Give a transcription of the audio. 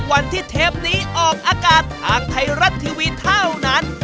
เทปนี้ออกอากาศทางไทยรัฐทีวีเท่านั้น